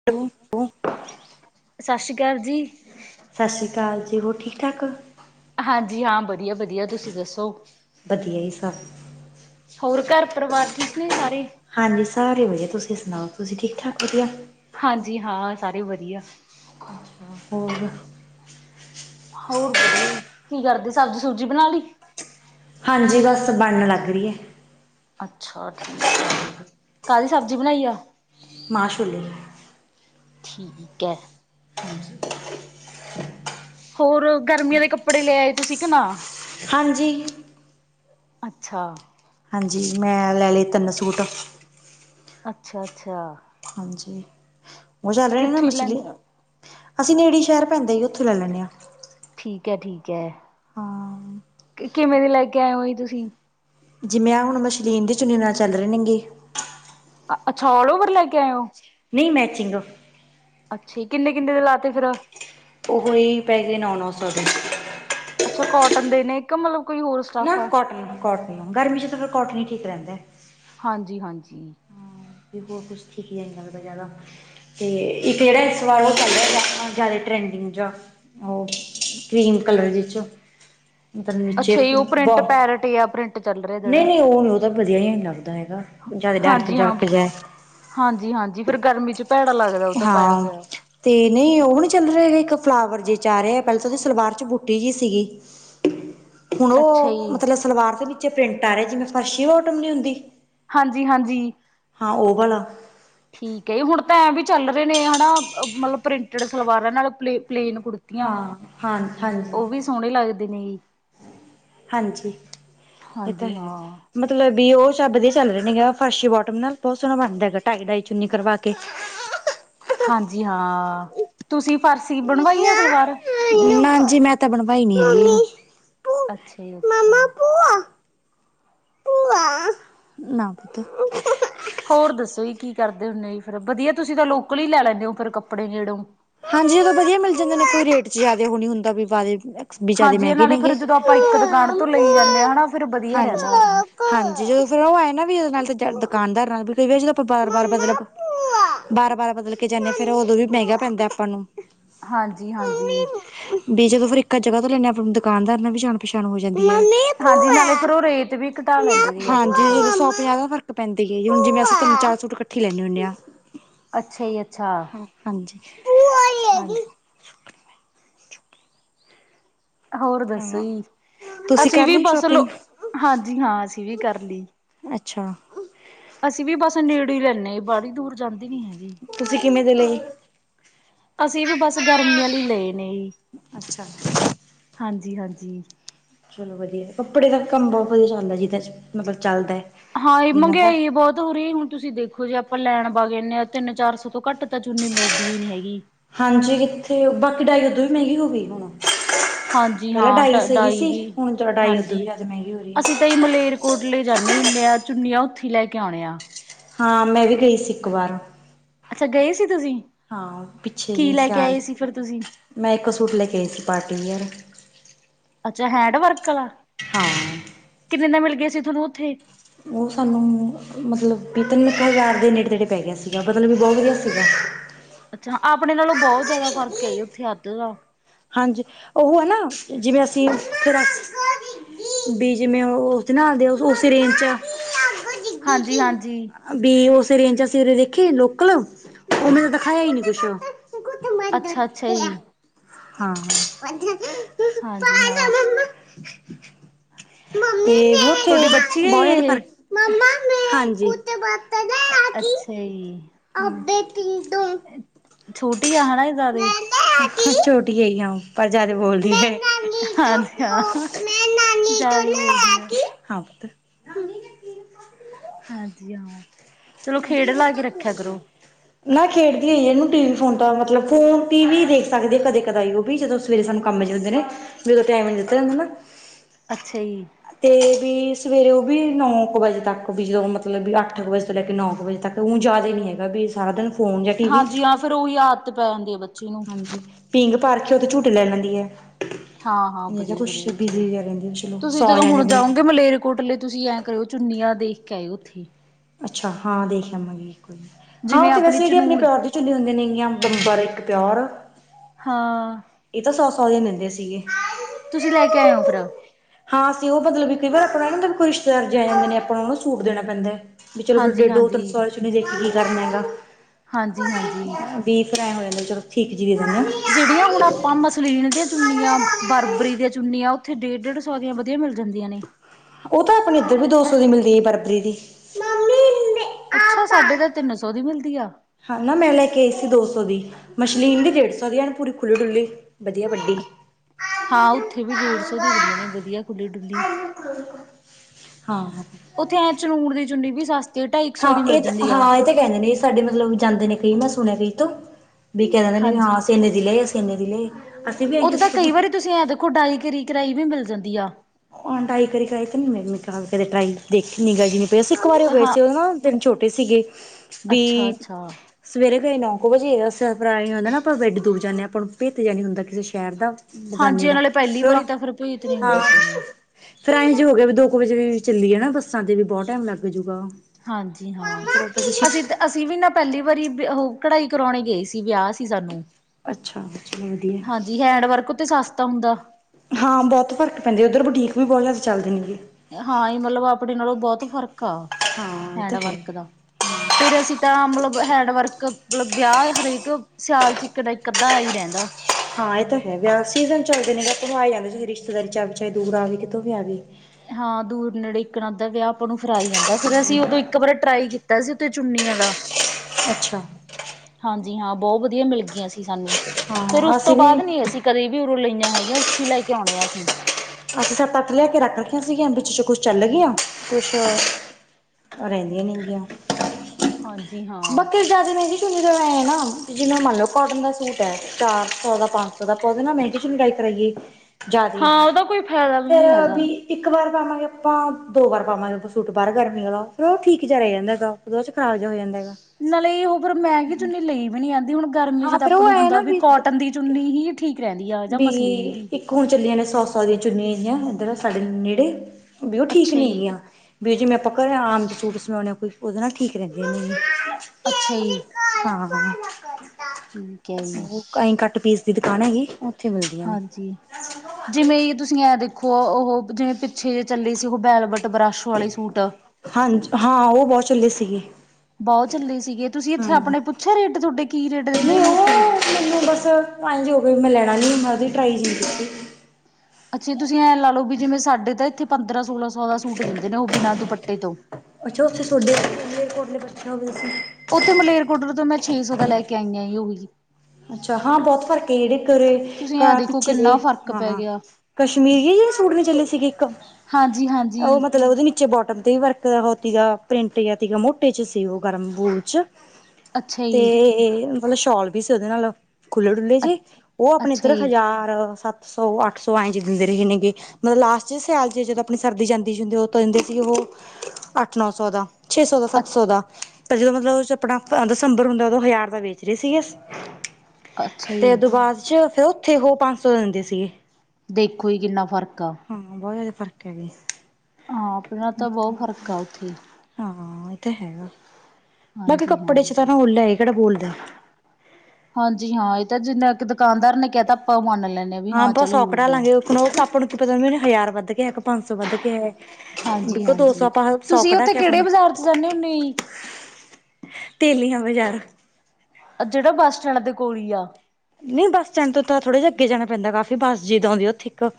[inaudible] ਸਤਿ ਸ਼੍ਰੀ ਅਕਾਲ ਜੀ। ਸਤਿ ਸ਼੍ਰੀ ਅਕਾਲ ਜੀ ਹੋਰ ਠੀਕ ਠਾਕ। ਹਾਂਜੀ ਹਾਂ ਵਧੀਆ-ਵਧੀਆ ਤੁਸੀਂ ਦੱਸੋ। ਵਧੀਆ ਜੀ ਸਭ ਹੋਰ ਘਰ ਪਰਿਵਾਰ ਠੀਕ ਨੇ ਸਾਰੇ ਹਾਂਜੀ ਸਾਰੇ ਵਧੀਆ ਤੁਸੀਂ ਸੁਣਾਓ ਤੁਸੀਂ ਠੀਕ ਠਾਕ ਵਧੀਆ ਹਾਂਜੀ ਹਾਂ ਸਾਰੇ ਵਧੀਆ ਅੱਛਾ ਹੋਰ ਹੋਰ ਵਧੀਆ ਜੀ ਕੀ ਕਰਦੇ ਸਬਜ਼ੀ ਸੁਬਜ਼ੀ ਬਣਾ ਲਈ ਹਾਂਜੀ ਬਸ ਬਣਨ ਲੱਗ ਰਈ ਏ। ਅੱਛਾ ਠੀਕ ਐ, ਕਲ ਸਬਜ਼ੀ ਬਣਾਈ ਐ। ਮਾ ਸ਼ੋਲੇ ਠੀਕ ਐ। ਹਾਂਜੀ। ਹੋਰ ਗਰਮੀਆਂ ਦੇ ਕੱਪੜੇ ਲੈ ਆਏ ਤੁਸੀਂ ਕਿ ਨਾ। ਹਾਂਜੀ। ਅੱਛਾ। ਹਾਂਜੀ ਮੈਂ ਲੈ ਲਏ ਤਿੰਨ ਸੂਟ। ਅੱਛਾ-ਅੱਛਾ। ਹਾਂਜੀ ਉਹ ਚੱਲ ਰਹੀ ਨਾ ਕਿੱਥੋਂ ਈ ਲੈਂਦੇ? ਮਛੀਲੀ ਅਸੀਂ ਨੇੜੇ ਹੀ ਸ਼ੈਰ ਪੈਂਦਾ ਜੀ ਉਥੋਂ ਲੈ ਲੈਨੇ ਆ। ਠੀਕ ਐ ਠੀਕ ਐ, ਹਾਂ ਕਿਵੇਂ ਦੇ ਲੈ ਕੇ ਆਏ ਹੋ ਜੀ ਤੁਸੀਂ? ਜਿਵੇਂ ਆ ਹੁਣ ਮਸ਼ਲੀਨ ਦੀ ਚੁਨੀ ਨਾਲ ਚੱਲ ਰਹੇ ਨੇਗੇ। ਅੱਛਾ ਆਲ ਓਵਰ ਲੈ ਕੇ ਆਇਓ। ਨੀ ਮੈਚਿੰਗ। ਅੱਛੇ ਕਿੰਨੇ-ਕਿੰਨੇ ਦੇ ਲਾ ਤੇ ਫਿਰ। ਉਹ ਕੋਈ ਪੈ ਗਏ ਨੋ-ਨੋ ਸੌ ਦੇ। ਅੱਛਾ ਕੋਟਨ ਦੇ ਨੇ। ਕਿ ਮਲਬ ਕੋਈ ਹੋਰ ਨਾ ਸਟੱਫ ਆ ਕੋਟਨ-ਕੋਟਨ ਗਰਮੀ ਚ ਫੇਰ ਕੋਟਨ ਹੀ ਠੀਕ ਰੇੰਦਾ। ਹਾਂਜੀ-ਹਾਂਜੀ। ਵੀ ਹੋਰ ਕੁਛ ਠੀਕ ਹੀ ਨਈ ਲੱਗਦਾ ਜਾਦਾ। ਤੇ ਇੱਕ ਜੇੜਾ ਇਸ ਵਾਰ ਉਹ ਚਲ ਰਿਆ ਜਾਦਾ ਟਰੈਂਡਿੰਗ ਜਾ। ਓ ਕਰੀਮ ਕਲਰ ਦੇ ਚ। ਨੀਚੇ ਅੱਛਾ ਜੀ ਉਹ ਬ ਪ੍ਰਿੰਟ ਪੈਰਟ ਆ ਪ੍ਰਿੰਟ ਚੱਲ ਰਿਹਾ ਜਿਹੜਾ ਨਈ-ਨਈ ਉਹ ਉਹਤਾਂ ਵਧੀਆ ਹੀ ਨੀ ਲੱਗਦਾ ਹੈਗਾ। ਜਾਦਾ ਡਰਕ ਜਰਕ ਜਾ। ਹਾਂਜੀ-ਹਾਂਜੀ ਫੇਰ ਗਰਮੀ ਚ ਭੈੜਾ ਲੱਗਦਾ ਉਹ ਤਾਂ ਪਾਇਆ ਹਾਂ ਹੋਇਆ। ਤੇ ਨਈ ਉਹ ਨੀ ਚੱਲ ਰਹੇ ਇੱਕ ਫਲਾਵਰ ਜੇ ਚਾਰੇ ਪੈਲੇ ਤਾਂ ਉਹਦੀ ਸਲਵਾਰ ਚ ਬੂਟੀ ਜੀ ਸੀਗੀ। [unintelligible] ਹੁਣ ਉਹ ਜੀ ਮਤਲਬ ਸਲਵਾਰ ਦੇ ਨੀਚੇ ਪ੍ਰਿੰਟ ਆ ਰਹੇ ਜਿਵੇਂ ਫਰਸ਼ੀ ਬੋਟਮ ਨੀ ਹੁੰਦੀ। ਹਾਂਜੀ-ਹਾਂਜੀ। ਹਾਂ ਓ ਵਾਲਾ। ਠੀਕ ਐ ਜੀ ਹੁਣ ਤਾਂ ਐਂ ਵੀ ਚੱਲ ਰੇ ਨੇ ਹਨਾ ਮਤਲਬ ਪ੍ਰਿੰਟਡ ਸਲਵਾਰਾਂ ਨਾਲ ਪਲੇ ਪਲੇਨ ਕੁੜ ਤਿਆ ਹਾਂ ਹਾਂ ਹਾਂਜੀ ਓ ਵੀ ਸੋਹਣੇ ਲੱਗਦੇ ਨੇ ਜੀ। ਹਾਂਜੀ ਏ ਤਾਂ ਹਾਂਜੀ ਹੈ। ਹਾਂ ਮਤਲਬ ਵੀ ਉਹ ਸਭ ਦੇ ਚੱਲ ਰਹੇ ਨੇਗੇ ਫਰਸ਼ੀ ਬੋਟਮ ਨਾਲ ਬੋਤ ਸੋਹਣਾ ਬਣਦਾ ਹੈਗਾ ਟਾਈ ਡਾਈ ਡਾਈ ਚੁੰਨੀ ਕਰਵਾ ਕੇ। ਹਾਂਜੀ ਹਾਂ ਤੁਸੀਂ ਫਰਸ਼ੀ ਬਣਵਾਈ ਆ ਸਲਵਾਰ। ਨਾ ਜੀ ਮੈਂ ਤਾਂ ਬਣਵਾਈ ਨੀ ਹੈਗੀ। ਅੱਛਾ ਜੀ ਅੱਛਾ। ਮਾਮਾ ਭੂਆ, ਨਾ ਪੁੱਤ। ਹੋਰ ਦੱਸੋ ਜੀ ਕੀ ਕਰਦੇ ਹੁੰਨੇ ਜੀ ਫਿਰ ਵਧੀਆ ਤੁਸੀਂ ਤਾਂ ਲੋਕਲ ਹੀ ਲੈ ਲੈਂਦੇ ਹੋ ਫਿਰ ਕੱਪੜੇ ਨੇੜੋਂ। ਹਾਂਜੀ ਉਦੇ ਵਧੀਆ ਮਿਲ ਜਾਂਦੇ ਨੇ ਕੋਈ ਰੇਟ ਜਿਆਦੇ ਉਹ ਨੀ ਹੁੰਦਾ ਵੀ ਵ ਵੀ ਜਾਦਾ ਹਾਂਜੀ ਇਹ ਮਹਿੰਗੇ ਨਾਲੇ ਫਿਰ ਨੇਗੇ ਜਦੋਂ ਆਪਾਂ ਇੱਕ ਦੁਕਾਨ ਤੋਂ ਲਈ ਜਾਂਦੇ ਹਾਂ ਹਨਾ ਫਿਰ ਵਧੀਆ ਹਾਂਜੀ। ਰਹਿੰਦਾ ਹਾਂਜੀ ਜਦੋਂ ਫਿਰ ਉਹ ਆਏ ਨਾ ਵੀ ਉਹਦੇ ਨਾਲ ਦੂਜਾ ਦੁਕਾਨਦਾਰ ਨਾਲ ਵੀ ਜਦੋਂ ਆਪਾਂ ਬਾਰ-ਬਾਰ ਮਤਲਬ ਬਾਰ-ਬਾਰ ਬਦਲ ਕੇ ਜਾਨੇ ਫੇਰ ਉਦੋਂ ਵੀ ਮੈਂਗਾ ਪੈਂਦਾ ਆਪਾਂ ਨੂੰ। ਹਾਂਜੀ -ਹਾਂਜੀ। ਡੀ ਜੈ ਤੇ ਫਿਰ ਇੱਕ ਜਗ੍ਹਾ ਤੋਂ ਲੈਂਨੇ ਆਪ ਦੁਕਾਨਦਾਰ ਨਾਲ ਵੀ ਜਾਣ- ਪਛਾਣ ਹੋ ਜਾਂਦੀ ਆ। ਮੰਮੀ ਹਾਂਜੀ ਨਾਲੇ ਫਿਰ ਉਹ ਰੇਟ ਵੀ ਘਟਾ ਲੈਂਦੇ ਜੀ ਆਪਣੇ ਤੋਂ। ਸੋ- ਪੰਜਾਹ ਦਾ ਫਰਕ ਪੈਂਦਾ ਹੀ ਹੈ ਜੀ ਹੁਣ, ਜਿਵੇਂ ਅਸੀਂ ਤਿੰਨ- ਚਾਰ ਸੂਟ ਇਕੱਠੇ ਲੈਂਦੇ ਹੁੰਦੇ ਹਾਂ। ਅੱਛਾ ਜੀ ਅੱਛਾ। ਹਾਂਜੀ। ਹਾਂਜੀ। ਹੋਰ ਦੱਸੋ ਹਾਂ ਜੀ, ਤੁਸੀਂ ਅਸੀਂ ਕਰ ਵੀ ਲਈ ਫਸਲ, ਸ਼ੋਪਿੰਗ ਹਾਂਜੀ ਹਾਂ, ਅਸੀਂ ਵੀ ਕਰ ਲਈ। ਅੱਛਾ। ਅਸੀਂ ਵੀ ਬਸ ਨੇੜੇ ਹੀ ਰਹਿੰਦੇ ਆ, ਬਾਲੀ ਦੂਰ ਜਾਂ ਦੇ ਨੀ ਹੈਗੇ। ਤੁਸੀਂ ਕਿੰਨੇ ਦੀ ਲਈ? ਅਸੀਂ ਵੀ ਬਸ ਗਰਮੀਆਂ ਲਈ ਲਏ ਨੇ ਜੀ। ਅੱਛਾ। ਹਾਂਜੀ- ਹਾਂਜੀ। ਚਲੋ ਵਧੀਆ, ਕੱਪੜੇ ਦਾ ਕੰਮ ਬਹੁਤ ਵਧੀਆ ਚੱਲਦਾ, ਜੀਦਾ ਮਤਲਬ ਚੱਲਦੈ। ਹਾਂ ਇਹ ਮਹਿੰਗਾਈ ਬਹੁਤ ਹੋ ਰਹੀ ਹੁਣ ਤੁਸੀਂ 'ਦੇਖੋ ਦੇਖੋ ਜੇ ਆਪਾਂ ਲੈਣ ਬਗ ਜਾਂਨੇ ਆ, ਤਿੰਨ -ਚਾਰ ਸੌ ਤੋਂ ਘੱਟ ਤਾਂ ਚੁੰਨੀ ਮਿਲਦੀ ਈਓ ਨੀ ਹੈਗੀ। ਹਾਂਜੀ ਕਿੱਥੇ ਬਾਕੀ ਡਾਈ ਉਹਦੋਂ ਵੀ ਮਹਿੰਗੀ ਹੋ ਗਈ ਹੁਣ। ਹਾਂਜੀ ਪਹਿਲਾਂ ਹਾਂ ਡਾਈ ਸਹੀ ਸੀ, ਵੀ ਹੁਣ ਚ ਡਾਈ ਉਦੋਂ ਵੀ ਜ਼ਿਆਦੀ ਮਹਿੰਗੀ ਹੋ ਗਈ ਐ। ਤੇ ਮਲੇਰਕੋਟਲੇ ਜਾਂਦੇ ਹੁੰਨੇ ਆ, ਚੁੰਨੀਆਂ ਉੱਥੇ ਹੀ ਲੈ ਕੇ ਆਉਣੇ ਆ। ਹਾਂ ਮੈਂ ਵੀ ਗਈ ਸੀ ਇੱਕ ਵਾਰ। ਅੱਛਾ ਗਏ ਸੀ ਤੁਸੀਂ ਹਾਂ, ਪਿੱਛੇ ਕੀ ਜਿਹੇ ਲੈ ਕੇ ਸਿਆਲ। ਆਏ ਸੀ ਫਿਰ ਤੁਸੀਂ ਮੈਂ ਇੱਕ ਸੂਟ ਲੈ ਕੇ ਆਈ ਸੀ, ਪਾਰਟੀ ਵੀਅਰ। ਅੱਛਾ ਹੈਂਡ ਵਰਕ ਆਲਾ, ਹਾਂ ਕਿੰਨੇ ਦਾ ਮਿਲ ਗਿਆ ਸੀ ਤੁਹਾਨੂੰ ਉੱਥੇ? ਓ ਸਾਨੂੰ ਮਤਲਬ ਵੀ ਤਿੰਨ ਕ ਹਜ਼ਾਰ ਦੇ ਨੇੜੇ -ਤੇੜੇ ਪੈ ਗਿਆ ਸੀਗਾ, ਮਤਲਬ ਵੀ ਬਹੁਤ ਵਧੀਆ ਸੀਗਾ। ਅੱਛਾ ਆਪਣੇ ਨਾਲੋਂ ਬਹੁਤ ਜ਼ਿਆਦਾ ਫ਼ਰਕ ਹੈ ਜੀ ਉੱਥੇ ਅੱਧ ਦਾ। ਹਾਂਜੀ। ਉਹ ਹੈ ਨਾ, ਜਿਵੇਂ ਅਸੀਂ ਫਿਰ ਅ ਬੀ ਜਿਵੇਂ ਉਸਦੇ ਨਾਲ ਦੇ, ਉਸ ਰੇਂਜ ਚ ਹਾਂਜੀ- ਹਾਂਜੀ। ਬੀ ਉਸ ਰੇਂਜ ਚ ਫਿਰ ਦੇਖੀ ਲੋਕਲ, ਉਹਨੇ ਤਾਂ ਦਿਖਾਇਆ ਹੀ ਨਹੀਂ ਕੁਛ। ਅੱਛਾ -ਅੱਛਾ ਜੀ। ਹਾਂ। ਹਾਂਜੀ, ਹਾਂ। ਤੇ ਉਥੇ ਤੁਹਾਡੀ ਬੱਚੀ ਹੈ ਬਹੁਤ ਜੀ ਜਿਆਦਾ ਫਰਕ, ਇਹ ਹਾਂਜੀ। ਅ ਅੱਛਾ ਜੀ! ਆਪਦੇ ਤੀ ਤੂੰ। ਛੋਟੀ ਆ ਹਨਾਂ ਏ ਜ਼ਿਆਦਾ ਈ? ਛੋਟੀ ਏ ਜੀ ਹਾਂ, ਪਰ ਜਿਆਦਾ ਬੋਲਦੀ ਏ। ਜਾਦਾ ਬੋਲਦੀ ਆ। ਹਾਂ ਪੁੱਤ। ਕੰਮ ਨੀ ਗਏ? ਹਾਂਜੀ ਹਾਂ, ਚਲੋ ਖੇਡ ਲਾ ਕੇ ਰੱਖਿਆ ਕਰੋ। ਨਾ ਖੇਡਦੀ ਆ ਇਹਨੂੰ ਟੀ ਵੀ ਫੋਨ ਤਾਂ ਮਤਲਬ ਫੋਨ ਟੀ ਵੀ ਦੇਖ ਸਕਦੇ ਕਦੇ ਕਦਾਈਂ ਉਹ ਵੀ ਜਦੋਂ ਸਵੇਰੇ ਸਾਨੂੰ ਕੰਮ ਜਾਦੇ ਹੁੰਦੇ ਨੇ ਉਦੋਂ ਟਾਈਮ ਨੀ ਦਿੱਤਾ ਜਾਂਦਾ ਨਾ ਅੱਛਾ ਜੀ ਤੇ ਵੀ ਸਵੇਰੇ ਉਹ ਵੀ ਨੌ ਕੁ ਵਜੇ ਤੱਕ ਵੀ ਜਦੋਂ ਮਤਲਬ ਵੀ ਅੱਠ ਕੁ ਵਜੇ ਤੋਂ ਲੈ ਕੇ ਨੌ ਕੁ ਵਜੇ ਤੱਕ ਊ ਜ਼ਿਆਦਾ ਹੀ ਨੀ ਹੈਗਾ ਵੀ ਸਾਰਾ ਦਿਨ ਫੋਨ ਜਾਂ ਟੀ ਵੀ ਹਾਂਜੀ ਹਾਂ ਫੇਰ ਓਹੀ ਆਦਤ ਪੈ ਜਾਂਦੀ ਹੈ ਬੱਚੇ ਨੂੰ ਹਾਂਜੀ ਪੀਂਗ ਭਰ ਕੇ ਉਹ ਤੇ ਝੂਟੇ ਲੈ ਲੈਂਦੀ ਹੈ ਹਾਂ ਹਾਂ ਇਹ ਜਾਂ ਵਧੀਆ ਕੁਛ ਵਧੀਆ ਚਲੋ ਬਿਜ਼ੀ ਜਾ ਰਹਿੰਦੀ ਚਲੋ ਤੁਸੀਂ ਸੌ ਜਦੋਂ ਜਾਂਦੇ ਹੁਣ ਨੇ ਜਾਉਗੇ ਮਲੇਰ ਕੋਟਲੇ ਤੁਸੀਂ ਐਂ ਕਰਿਓ ਚੁੰਨੀਆਂ ਦੇਖ ਕੇ ਆਏ ਉੱਥੇ ਅੱਛਾ ਹਾਂ ਦੇਖਿਆ ਅਵਾਗੀ ਹਾਂ ਜਿਵੇਂ ਉੱਥੇ ਵੈਸੇ ਬੀ ਆਪਣੀ ਚਨੂਨ ਬਾਰਦਰੀ ਦੀ ਝੁ ਹੁੰਦੇ ਨੇ ਬੰਬਰ ਇੱਕ ਪਿਆਰ ਹਾਂ ਇਹ ਤਾਂ ਸੌ ਸੌ ਦੇ ਲਿੰਦੇ ਸੀਗੇ ਤੁਸੀਂ ਲੈ ਕੇ ਆਇ ਹੋ ਫੇਰ ਹਾਂ ਅਸੀਂ ਉਹ ਮਤਲਬ ਵੀ ਕਈ ਵਾਰ ਆਪਣਾ ਨਾ ਕੋਈ ਰਿਸ਼ਤੇਦਾਰ ਜੇ ਆ ਜਾਂਦੇ ਨੇ ਆਪਣਾ ਉਹਨੂੰ ਸੂਟ ਦੇਣਾ ਪੈਂਦਾ ਵੀ ਚਲੋ ਫਿਰ ਹਾਂਜੀ ਡੇਢ ਦੋ ਤਿੰਨ ਹਾਂਜੀ ਸੌ ਚ ਦੇਖ ਕੇ ਕੀ ਕਰਨਾ ਹੈਗਾ ਹਾਂਜੀ ਹਾਂਜੀ ਵੀ ਫਰਾਈ ਹੋ ਜਾਂਦੀ ਚਲ ਠੀਕ ਜੀਅ ਦਿੰਦੇ ਆ ਜਿਹੜੀਆਂ ਹੁਣ ਆਪਾਂ ਮਸਲੀਨ ਦੀਆਂ ਚੁੰਨੀਆਂ ਬਰਬਰੀ ਦੀਆਂ ਚੁੰਨੀਆਂ ਉੱਥੇ ਡੇਢ ਡੇਢ ਸੌ ਦੀਆਂ ਵਧੀਆ ਮਿਲ ਜਾਂਦੀਆਂ ਨੇ ਉਹ ਤਾਂ ਆਪਣੇ ਇੱਧਰ ਵੀ ਦੋ ਸੌ ਦੀ ਮਿਲਦੀ ਹੈ ਬਰਬਰੀ ਦੀ ਅੱਛਾ ਸਾਡੇ ਤਾਂ ਤਿੰਨ ਸੌ ਦੀ ਮਿਲਦੀ ਆ ਹ ਨਾ ਮੈਂ ਲੈ ਕੇ ਆਈ ਸੀ ਦੋ ਸੌ ਦੀ ਮਛਲੀ ਦੀ ਡੇਢ ਸੌ ਦੀ ਪੂਰੀ ਖੁੱਲੀ ਡੁੱਲੀ ਵਧੀਆ ਵੱਡੀ ਹਾਂ ਹਾਂ ਉੱਥੇ ਵੀ ਇਹ ਡੇਢ ਸੌ ਦੀ ਦਿੰਦੇ ਨੇ ਵਧੀਆ ਖੁੱਲੀ ਡੁੱਲੀ ਹਾਂ ਹਾਂ ਉੱਥੇ ਐਂ ਚਨੂਨ ਦੀ ਚੁੰਨੀ ਵੀ ਸਸਤੀ ਢਾਈ ਸੌ ਦੀ ਮਿਲ ਤਾਂ ਜਾਂਦੀ ਹਾਂ ਆ ਇਹ ਤਾਂ ਕਹਿੰਦੇ ਨੇ ਸਾਡੇ ਮਤਲਬ ਜਾਂਦੇ ਨੇ ਕਈ ਮੈਂ ਸੁਣਿਆ ਕਈ ਤੋਂ ਵੀ ਕਹਿ ਦਿੰਦੇ ਨੇ ਵੀ ਹਾਂ ਹਾਂਜੀ ਅਸੀਂ ਇਨੇ ਲਏ ਅਸੀਂ ਕਿਨੇ ਦੀ ਲਿਆਈਏ ਉਦੋਂ ਤਾਂ ਕਈ ਵਾਰੀ ਤੁਸੀਂ ਐਂ ਦੇਖੋ ਡਾਈ ਕਰੀ ਕਰਾਈ ਵੀ ਮਿਲ ਜਾਂਦੀ ਆ ਹ ਡਯੇ ਕਰੀ ਕਰ ਨ ਮ ਕਦੇ ਟਈ ਦੇਖ ਨੀ ਗਜ਼ ਨੀ ਪਏ ਸੀ ਇੱਕ ਵਾਰੀ ਉਹ ਪਏ ਹਾਂ ਸੀ ਉਹਦੇ ਨਾ ਦਿਨ ਛੋਟੇ ਸੀਗੇ ਵੀ ਅੱਛਾ ਅੱਛਾ ਸਵੇਰੇ ਗ ਨੌ ਕੁ ਵਜੇਰਾ ਹੁੰਦਾ ਨਾ ਆਪਾਂ ਵੈੱਡੀ ਦੂਰ ਜਾਂਦੇ ਹਾਂ ਆਪਾਂ ਨੂੰ ਭੇਤ ਜਾ ਨਹੀਂ ਹੁੰਦਾ ਕਿਸੇ ਸ਼ਹਿਰ ਦਾ ਦਕਾਨੇ ਹਾਂਜੀ ਇਹ ਦਾ ਨਾਲੇ ਪਹਿਲੀ ਹਾਂ ਵਾਰੀ ਤਾਂ ਫਿਰ ਭੇਤ ਨੀ ਹੁੰਦਾ ਆਪਾਂ ਨੂੰ ਫਿਰ ਐਂ ਜੇ ਹੋ ਗਿਆ ਵੀ ਦੋ ਕੁ ਵਜੇ ਵੀ ਚੱਲੀਏ ਨਾ ਬੱਸਾਂ ਤੇ ਵੀ ਬਹੁਤ ਟਾਈਮ ਲੱਗ ਜਾੂਗਾ ਹਾਂਜੀ ਹਾਂ ਅਸੀਂ ਤਾਂ ਅਸੀਂ ਵੀ ਨਾ ਪਹਿਲੀ ਵਾਰੀ ਉਹ ਕੜਢਾਈ ਕਰਾਉਣੇ ਗਏ ਸੀ ਵਿਆਹ ਸੀ ਸਾਨੂੰ ਅੱਛਾ ਚਲੋ ਵਧੀਆ ਹਾਂਜੀ ਹੈਂਡ ਵਰਕ ਉੱਥੇ ਸਸਤਾ ਹੁੰਦਾ ਹਾਂ ਬਹੁਤ ਫ਼ਰਕ ਪੈਂਦਾ ਉੱਧਰ ਬੁਟੀਕ ਵੀ ਬਹੁਤ ਜ਼ਿਆਦਾ ਚੱਲਦੇ ਨੇਗੇ ਹਾਂ ਹੀ ਮਤਲਬ ਆਪਣੇ ਨਾਲੋਂ ਬਹੁਤ ਫ਼ਰਕ ਆ ਹਾਂ ਇਹ ਹੈਂਡ ਤਾਂ ਹੈ ਵਰਕ ਦਾ ਫੇਰ ਅਸੀਂ ਤਾਂ ਮਤਲਬ ਹੈਂਡ ਵਰਕ ਮਤਲਬ ਵਿਆਹ ਹਰੇਕ ਸਿਆਲ ਚ ਇੱਕ ਤਾਂ ਇੱਕ ਅੱਧਾ ਆ ਹੀ ਰਹਿੰਦਾ ਹਾਂ ਇਹ ਤਾਂ ਹੈ ਵਿਆਹ ਸੀਜ਼ਨ ਚੱਲਦੇ ਨੇ ਭਵਾ ਆ ਜਾਂਦਾ ਚਾਹੇ ਰਿਸ਼ਤੇਦਾਰੀ ਚਵੇ ਚਾਹੇ ਦੂਰ ਆਵੇ ਕਿਥੋਂ ਵੀਆਵੇ ਹਾਂ ਦੂਰ ਨੇੜੇਕਣ ਅੱਧ ਦਾ ਵਿਆਹ ਆਪਾਂ ਨੂੰ ਫਿਰਈ ਜਾਂਦਾ ਫਿਰ ਅਸੀਂ ਉਦੋਂ ਇਕ ਵਾਰੀ ਟਰਾਈ ਕੀਤਾ ਸੀ ਉੱਥੇ ਚੁੰਨੀਆਂ ਦਾ ਅੱਛਾ ਹਾਂਜੀ ਹਾਂ ਬਹੁਤ ਵਧੀਆ ਮਿਲ ਗਈਆਂ ਸੀ ਸਾਨੂੰ, ਫਿਰ ਹਾਂ ਉਸ ਤੋਂ ਅਸੀਂ ਵੀ ਬਾਅਦ ਨੀ ਅਸੀਂ ਕਦੇ ਊਰੋ ਲਈਆਂ ਹੈਗੀਆਂ, ਉੱਥੋਂ ਹੀ ਲੈ ਕੇ ਆਉਣੇ ਅਸੀਂ ਅੱਛਾ ਸੱਤ- ਅੱਠ ਲਿਆ ਕੇ ਰੱਖ ਰੱਖੀਆਂ ਸੀਗੀਆਂ, ਵਿੱਚ ਕੁਛ ਚੱਲ ਗਈਆ ਕੁੱਛ ਉਹ ਰਹਿੰਦੀਆਂ ਨੀ ਹੈਗੀਆਂ, ਹਾਂਜੀ ਹਾਂ ਬਾਕੀ ਜ਼ਿਆਦਾ ਮਹਿੰਗੀ ਚੁੰਨੀ ਤਾਂ ਹੈ ਨਾ, ਜਿਵੇਂ ਮੰਨ ਲਓ ਕੋਟਨ ਦਾ ਸੂਟ ਐ, ਚਾਰ ਸੌ ਦਾ ਪੰਜ ਸੌ ਆਪਾਂ ਉਹਦੇ ਨਾਲ ਮਹਿੰਗੀ ਚੁੰਨੀ ਡਾਈ ਕਰਾਈਏ ਜਾਦੀ ਕੀ ਫੈਦਾ ਔਰ ਵੀ ਇੱਕ ਵਾਰ ਪਾਵਾਂਗੇ ਆਪਾਂ, ਦੋ ਵਾਰ ਪਾਵਾਂਗੇ ਸੂਟ ਬਾਹਰ ਗਰਮੀ ਵਾਲਾ, ਫੇਰ ਉਹ ਠੀਕ ਜਿਹਾ ਰਹਿ ਜਾਂਦਾ ਗਾ ਉਹਦੇ 'ਚ ਖਰਾਬ ਜਿਹਾ ਹੋ ਜਾਂਦਾ ਗਾ ਨਾਲੇ ਇਹ ਉਪਰ ਮਹਿੰਗੀ ਚੁੰਨੀ ਲਈ ਵੀ ਨੀ ਜਾਂਦੀ ਹੁਣ ਗਰਮੀ 'ਚ ਹਾਂ ਤਾਂ ਫੇਰ ਆਪਾਂ ਉਹ ਨੂੰ ਐ ਹੁੰਦਾ ਨਾ ਵੀ ਕੋਟਨ ਦੀ ਚੁੰਨੀ ਹੀ ਠੀਕ ਰਹਿੰਦੀ ਆ ਜਾਂ ਵੀ ਮਸਲੀਨ ਦੀ। ਇੱਕ ਹੁਣ ਚੱਲੀਆਂ ਆ ਸੌ -ਸੌ ਦੀਆਂ ਚੁੰਨੀਆਂ ਜਿਹੀਆਂ, ਇੱਧਰ ਸਾਡੇ ਨੇੜੇ ਵੀ ਉਹ ਠੀਕ ਅੱਛਾ ਨਹੀਂ ਜੀ। ਹੈਗੀਆਂ ਵੀ ਜੀ ਮੈਂ ਪੱਕਾ ਆਮ ਦੇ ਸੂਟ ਸਵਾਂਦੇ, ਕੋ ਉਹਦੇ ਨਾਲ ਠੀਕ ਰਹਿੰਦੀਆਂ ਨੇ ਅੱਛਾ ਜੀ ਹਾਂ, ਠੀਕ ਹੈ ਜੀ। ਓ ਕਂਈ ਕੱਟ ਪੀਸ ਦੀ ਦੁਕਾਨ ਹੈਗੀ ਮਿਲਦੀਆਂ ਨੇ ਹਾਂਜੀ, ਜਿਵੇਂ ਏ ਤੁਸੀਂ ਐਂ ਦੇਖੋ ਉਹ ਜਿਵੇਂ ਪਿੱਛੇ ਜੇ ਚੱਲੀ ਸੀ ਉਹ ਬੈਲ ਵ ਇਕ ਬਰਸ਼ ਵਾਲੇ ਸੂਟ ਹਾਂਜੀ, ਹਾਂ ਉਹ ਬਹੁਤ ਚੱਲੇ ਸੀਗੇ ਬਹੁਤ ਚੱਲੇ ਸੀਗੇ, ਤੁਸੀਂ ਹਾਂ ਇੱਥੇ ਆਪਣੇ ਪੁੱਛਿਆ ਰੇਟ ਤੁਹਾਡੇ ਕੀ ਰੇਟ ਨਹੀਂ ਦਿੰਦੇ ਨੇ ਉਹ ਐਥੇ ਮੈਨੂੰ ਬਸ ਐੰਜ ਹੋਵੇ, ਮੈਂ ਲੈਣਾ ਨਹੀਂ, ਮੈਂ ਵੀ ਉਹਦੀ ਟਰਾਈ ਨਹੀ ਕੀਤੀ ਅੱਛਾ ਤੁਸੀਂ ਐਂ ਲਾ ਲਓ ਵੀ ਜਿਵੇਂ ਸਾਡੇ ਤਾਂ ਇੱਥੇ ਪੰਦਰਾਂ- ਸੋਲਾਂ ਸੌ ਦਾ ਸੂਟ ਦਿੰਦੇ ਨੇ ਉਹ ਬਿਨਾਂ ਦੁਪੱਟੇ ਤੋਂ ਅੱਛਾ ਉੱਥੇ ਤੁਹਾਡੇ ਕੋਟਲੇ ਬਛਾ ਵੀ ਸੀ ਉੱਥੇ ਮਲੇਰਕੋਟਲੇ ਤੋਂ ਮੈਂ ਛੇ ਸੌ ਦਾ ਲੈ ਕੇ ਆਈ ਆ, ਉਹੀ ਅੱਛਾ ਹਾਂ ਬਹੁਤ ਫਰਕ ਏ ਇਹੜੇ ਘਰੇ, ਤੁਸੀਂ ਐਂ ਘਰ ਦੇਖੋ ਪਿੱਛੇ ਜੇ ਕਿੰਨਾ ਫ਼ਰਕ ਪੈ ਹਾਂ ਗਿਆ ਕਸ਼ਮੀਰੀ ਜਿਹੀ ਸੂਟ ਨੇ ਚੱਲੇ ਸੀਗੇ ਇੱਕ ਜੀ ਹਾਂਜੀ 'ਚ ਬੋਟਮ ਤੇ ਵੀ ਵਰਕ ਹੋਤੀਦਾ, ਪ੍ਰਿੰਟ ਜਾਤੀਦਾ ਮੁੜ ਟਿਚ ਸੀ ਉਹ ਗਰਮ ਬੂਚ, ਅੱਛਾ ਜੀ। ਤੇ ਮਤਲਬ ਸ਼ੋਲ ਵੀ ਸੀ ਉਹਦੇ ਨਾਲ ਖੁੱਲੀ ਡੁੱਲੀ ਅ ਜੀ, ਉਹ ਆਪਣੇ ਅੱਛਾ ਇੱਧਰ ਜੀ ਹਜ਼ਾਰ, ਸੱਤ ਸੌ, ਅੱਠ ਸੌ ਐਂ 'ਚ ਦਿੰਦੇ ਰਹੇ ਨੇਗੇ ਮਤਲਬ ਲਾਸਟ 'ਚ ਸਿਆਲ 'ਚ ਜਦੋਂ ਆਪਣੀ ਸਰਦੀ ਜਾਂਦੀ ਜੂਂਦੀ, ਉਦੋਂ ਦਿੰਦੇ ਸੀ ਉਹ ਅੱਠ, ਨੌ ਸੌ ਦਾ ਛੇ ਸੌ ਦਾ, ਅ ਸੱਤ ਸੌ ਦਾ ਤਾਂ ਜਦੋਂ ਮਤਲਬ ਉਹ ਆਪਣਾ ਦਸੰਬਰ ਹੁੰਦਾ, ਉਦੋਂ ਹਜ਼ਾਰ ਦਾ ਵੇਚ ਰਹੇ ਸੀਗੇ ਅੱਛਾ ਜੀ ਤੇਦ ਬਾਅਦ 'ਚ, ਫੇਰ ਉੱਥੇ ਉਹ ਪੰਜ ਸੌ ਦਾ ਦਿੰਦੇ ਸੀਗੇ ਦੇਖੋ ਜੀ, ਕਿੰਨਾ ਫ਼ਰਕ ਆ ਹਾਂ, ਬਹੁਤ ਜ਼ਿਆਦਾ ਫਰਕ ਹੈਗੇ ਹਾਂ, ਆਪਨਾ ਤਾਂ ਬਹੁਤ ਫਰਕ ਆ ਉੱਥੇ ਹਾਂ ਇਹ ਤਾਂ ਹੈ, ਬਾਕੀ ਹਾਂਜੀ ਹਾਂ। ਕੱਪੜੇ 'ਚ ਤਾਂ ਨਾ ਉਲਾ ਹੈ, ਇਹ ਕੇੜਾ ਬੋਲਦਾ ਹਾਂਜੀ ਹਾਂ, ਇਹ ਤਾਂ ਜਿੰਨਾ ਕ ਦੁਕਾਨਦਾਰ ਨੇ ਕਹਿਤਾ, ਆਪਾਂ ਉਹ ਮੰਨ ਲੈਂਦੇ ਵੀ ਹਾਂ ਚੱਲ ਬਸ ਔਕੜਾ ਹੋਊਗਾ। ਲਾਂਗੇ ਉਹ ਆਪੋ ਨੂੰ ਕੀ ਪਤਾ ਹਜ਼ਾਰ ਵੱਧ ਕੇ ਆਏ ਕ ਪੰਜ ਸੌ ਵੱਧ ਕੇ ਆਏ ਹਾਂਜੀ-ਹਾਂਜੀ ਤੁਸੀਂ ਕਢਾ ਉੱਥੇ ਕੇ ਕੇੜੇ ਹੁਣ ਬਾਜ਼ਾਰ 'ਚ ਜਾਂਦੇ ਹੁੰਦੇ ਤੇਲੀਆਂ ਬਾਜ਼ਾਰ ਜੇੜਾ ਬੱਸ ਸਟੈਂਡ ਦੇ ਕੋਲ ਹੀ ਆ ਨਹੀਂ ਬੱਸ ਸਟੈਂਡ ਤੋਂ ਥੋੜ੍ਹਾ ਜਿਹਾ ਅੱਗੇ ਜਾਣਾ ਪੈਂਦਾ ਕਾਫੀ ਬੱਸ ਜਦ ਆਉਂਦੀ ਉੱਥੇ ਕ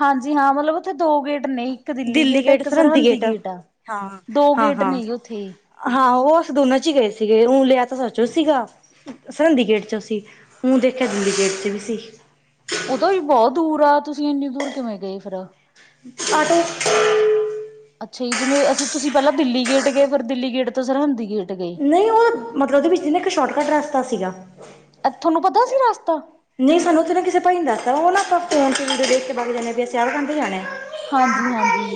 ਹਾਂਜੀ ਹਾਂ ਮਤਲਬ ਉੱਥੇ ਦੋ ਗੇਟ ਨੇ। ਇੱਕ ਦਿੱਲੀ ਗੇਟ ਆ ਇੱਕ ਸਰਹੰਦੀ ਗੇਟ ਆ ਹਾਂ ਦੋ ਹਾਂ ਗੇਟ ਹਾਂ ਨੇ ਜ ਉੱਥੇ। ਹਾਂ ਉਹ ਅਸੀਂ ਦੋਨਾਂ ਚ ਹੀ ਗਏ ਸੀਗੇ ਓ ਲਿਆ ਤਾਂ ਸੱਚੋ ਸੀਗਾ। ਸਰ ਸਿੰਡੀ ਗੇਟ ਚ ਸੀ ਹੁਨ ਦੇਖਿਆ ਸਿੰਡੀ ਗੇਟ ਚ ਵੀ ਸੀ। ਉਦੋਂ ਵੀ ਬਹੁਤ ਦੂਰ ਆ ਤੁਸੀਂ ਇੰਨੀ ਦੂਰ ਕਿਵੇਂ ਗਏ ਫੇਰ। ਆਟੋ [inaudible] ਅੱਛਾ ਜੀ ਜਿਵੇਂ ਅਸੀਂ ਤੁਸੀਂ ਪਹਿਲਾਂ ਦਿੱਲੀ ਗੇਟ ਗਏ ਫਿਰ ਦਿੱਲੀ ਗੇਟ ਤੋਂ ਸਰਹਿੰਦੀ ਗੇਟ ਗਏ। ਨਹੀਂ ਉਹ ਮਤਲਬ ਉਹਦੇ ਵਿੱਚ ਜਿੰਨਾ ਇੱਕ ਸ਼ੋਰਟਕੱਟ ਰਸਤਾ ਸੀਗਾ। ਏਥੇ ਨੂੰ ਪਤਾ ਸੀ ਰਾਸਤਾ। ਨਹੀਂ ਸਾਨੂੰ ਉਥੇ ਨਾ ਕਿਸੇ ਭਾਈ ਨੇ ਦੱਸਦਾ ਉਹਨਾ ਕੋ ਫੋਨ ਚ ਵੀਡੀਓ ਦੇਖ ਕੇ ਪਾ ਜਾਂਦੇ ਹ ਵੀ ਸਿਆਲ ਖਦੇ ਜਾਣੇ [inaudible] ਹਾਂਜੀ-ਹਾਂਜੀ।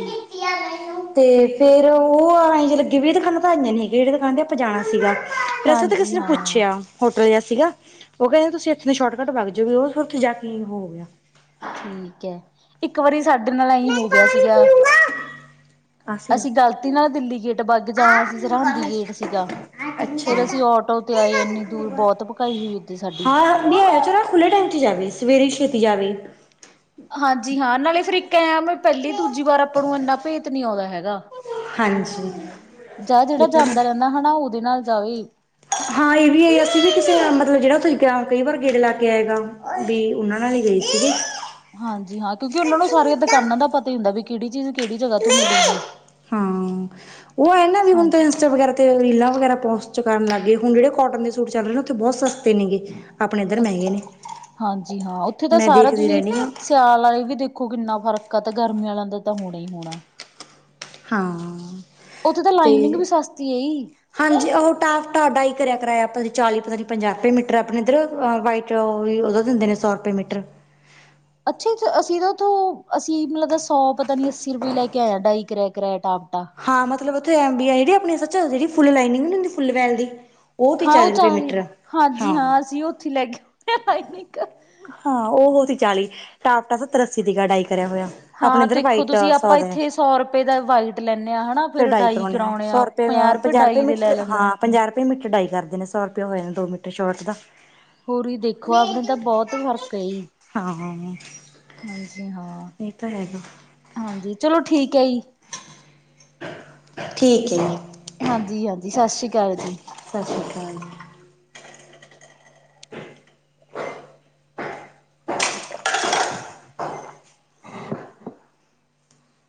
ਤੇ ਫੇਰ ਉਹ ਆਏ ਜੇ ਲੱਗੀ ਵੀ ਦੁਕਾਨਾਂ ਤਾਂ ਆਈਆਂ ਨੀ ਹੈ [unintelligible] ਜਿਹੜੇ ਦੁਕਾਨ ਤੇ ਆਪਾਂ ਜਾਣਾ ਸੀਗਾ ਰਸਤੇ ਤੇ ਕਿਸੇ ਹਾਂਜੀ ਹਾਂਜੀ ਨੇ ਹਾਂ। ਪੁੱਛਿਆ ਹੋਟਲ ਜਿਹਾ ਸੀਗਾ ਉਹ ਕਹਿੰਦੇ ਤੁਸੀਂ ਇੱਥੇ ਸ਼ੋਰਟਕੱਟ ਬਾਗ ਜੋਗੇ ਉਹ ਫਿਰ ਉੱਥੇ ਜਾ ਕੇ ਹੋ ਗਿਆ। ਠੀਕ ਹੈ। ਇੱਕ ਵਾਰੀ ਸਾਡੇ ਨਾਲ ਈਂਹੀ ਮੈਂ ਹੋ ਗਿਆ ਪਾਣੀ ਸੀਗਾ। ਪੀਊਂਗਾ ਆ ਸੀਗਾ। ਅਸੀਂ ਗ਼ਲਤੀ ਨਾਲ ਦਿੱਲੀ ਗੇਟ ਵੱਗ ਜਾਣਾ ਸੀ ਸਰਹੰਦੀ ਗੇਟ ਸੀਗਾ। ਅੱਛਾ। ਫੇਰ ਅਸੀਂ ਆਟੋ ਤੇ ਆਏ ਇੰਨੀ ਦੂਰ ਬਹੁਤ ਪਕਾਈ ਹੋਈ ਉੱਥੇ ਸਾਡੀ। [unintelligible] ਚ ਖੁੱਲੇ ਟਾਈਮ ਚ ਜਾਵੇ ਸਵੇਰੇ ਛੇਤੀ ਜਾਵੇ। ਹਾਂਜੀ ਹਾਂ ਨਾਲੇ ਫਿਰ ਇੱਕ ਐੰ ਪਹਿਲੀ-ਦੂਜੀ ਵਾਰ ਆਪਾਂ ਨੂੰ ਇੰਨਾ ਭੇਤ ਨਹੀਂ ਆਉਂਦਾ ਹੈਗਾ। ਹਾਂਜੀ ਜਾ ਜਿਹੜਾ ਇਹ ਤਾਂ ਹੈ ਜਾਂਦਾ ਰਹਿੰਦਾ ਹੈਨਾ ਉਹਦੇ ਨਾਲ ਜਾਵੇ। ਹਾਂ ਇਹ ਵੀ ਹੈ ਅਸੀਂ ਵੀ ਕਿਸੇ ਮਤਲਬ ਜਿਹੜਾ ਤੁਸੀਂ ਕ [unintelligible] ਕਈ ਵਾਰ ਗੇਟ ਲਾ ਕੇ ਆਏਗਾ ਵੀ ਉਹਨਾਂ ਨਾਲ ਹੀ ਗਏ ਸੀਗੇ। ਹਾਂਜੀ ਹਾਂ ਕਿਉਂਕਿ ਉਹਨਾਂ ਨੂੰ ਸਾਰੀਆਂ ਦੁਕਾਨਾਂ ਦਾ ਪਤਾ ਹੀ ਹੁੰਦਾ ਵੀ ਕਿਹੜੀ ਚੀਜ਼ ਕਿਹੜੀ ਜਗ੍ਹਾ ਤੋਂ ਮਿਲੂਗੀ ਹਾਂ ਉਹ ਇਹਨਾਂ ਵੀ ਹੁਣ ਤ ਹਾਂਜੀ ੲੰਸਟਾ ਵਗੈਰਾ ਤੇ ਰੀਲਾਂ ਵਗੈ ਪੌਸਟਚ ਕਰਨ ਲੱਗ ਏ ਹੁਣ ਜਿਹੜੇ ਕੋਟਨ ਦੇ ਸੂ ਚਲ ਰਹੇ ਊਥੇ ਬਹੁਤ ਸਾਸਤੇ ਨੀ ਗੇ ਆਪਣੇ ਇੱਧਰ ਅੱਛਾ ਮਹਿੰਗੇ ਨੇ। ਹਾਂਜੀ ਹਾਂ ਉੱਥੇ ਤਾਂ ਮੈਂ ਸਾਰਾ ਦੇਖਦੀ ਤੁਸੀਂ ਰਹਿੰਦੀ ਹਾਂ ਸਿਅਲ ਵਾਲੇ ਵੀ ਦੇਖ ਦੇਖੋ ਕਿੰਨਾ ਫਰਕ ਆ ਤੇ ਗਰਮੀ ਵਾਲਿਆਂ ਦਾ ਤਾਂ ਹੋਣਾ ਹੀ ਹੋਣਾ। ਹਾਂ ਉੱਥੇ ਤਾਂ ਲਾਈਨਿੰਗ ਵੀ ਤੇ ਸਸਤੀ ਅਈ। ਹਾਂਜੀ ਉਹ ਟਾਫਟਾ ਡਾਈ ਕਰਿਆ ਕਰਾਇਆ ਆਪ ਚਾਲੀ ਪਤਾ ਨ ਪੰਜਾਹ ਰੁਪਏ ਮੀਟਰ ਆਪਣੇ ਇੱਧਰ ਵਾਈਟ ਓ ਵੀ ਉਦਾ ਦਿੰਦੇ ਨੇ ਸੌ ਰੁਪਏ ਮੀਟਰ। ਅੱਛਾ-ਅੱਛਾ, ਅਸੀਂ ਤਾਂ ਓਥੋ ਅਸੀਂ ਮਤਲਬ ਦਾ ਸੌ ਪਤਾ ਨੀ ਅੱਸੀ ਰੁਪਏ ਲੈ ਕੇ ਕਰਾਆ ਡਾਈ ਕਰਿਆ ਕਰਆ ਟਫਟਾ। ਹਾਂ ਮਤਲਬ ਉੱਥੇ ਐਬੀਆਈ ਆਪੱਚਿ ਫੁੱਲ ਲਾਈਨਿੰਗੁੰ ਨੀ ਹੁਦੀ ਫੁੱਲ ਵੈਲ ਦੀ ਤੇ ਹਾਂ ਉਹ ਚਾਲੀ ਚਾ ਰੁਪਏ ਵਾਲੀ ਹਾਂ ਮੀਟਰ ਹਾਂਜੀ ਹਾਂ ਅਸੀਂ ਉੱਥੇ ਹੀ ਲੈ ਕੇ ਉਦੇ ਲੈਨੀਗ। ਹਾਂ ਉਹ ਵਾਲੀ ਤ ਚਾਲੀ ਟਾਪਟਾ ਸੱਤਰ-ਅੱਸੀ ਦੀ ਡਾਈ ਕਰਿਆ ਹੋਇਆ ਆਪਣੇ ਹਾਂ ਇੱਧਰ ਦੇਖੋ ਵਾਈਟ ਤੁਸੀਂ ਸੌ ਆਪਾਂ ਦਾ ਇੱਥੇ ਸੌ ਰੁਪਏ ਦਾ ਵਾਈਟ ਲੈਂਦੇ ਹਾਂ ਹਨਾ ਫਿਰ ਡਾਈ ਕਰਾਉਣੇ ਆ। ਤੇ ਹਾਂ ਪੰਜਾਹ ਰੁਪਏ ਡਾਈ ਦੇ ਲੈ ਮੀਟਰ ਲੈਂਦੇ ਨੇ। ਹਾਂ ਪੰਜਾਹ ਰੁਪਏ ਮੀਟਰ ਡਾਈ ਕਰਦੇ ਨੇ ਸੌ ਰੁਪਏ ਹੋਜਾਦਾ ਦੋ ਮੀਟਰ ਸ਼ੋਰਟ ਦਾ। ਹੋਰ ਹੀ ਦੇਖੋ ਆਪਣੇ ਤਾਂ ਬਹੁਤ ਫ਼ਰਕ ਅਏ। ਹਾਂ-ਹਾਂ। ਹਾਂਜੀ ਹਾਂ ਹਾਂਜੀ ਚਲੋ ਠੀਕ ਹੈ ਈ। ਠੀਕ ਹੈ ਹਾਂਜੀ ਹਾਂਜੀ ਸ਼੍ਰੀ ਅਕਾਲ ਜੀ। ਸਤਿ ਸ਼੍ਰੀ ਅਕਾਲ।